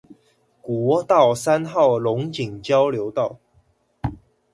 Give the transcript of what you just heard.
國道三號龍井交流道